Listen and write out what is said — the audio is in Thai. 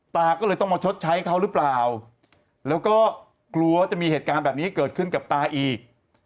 ตาก็เลยต้องมาชดใช้เขาหรือเปล่าแล้วก็กลัวจะมีเหตุการณ์แบบนี้เกิดขึ้นกับตาอีก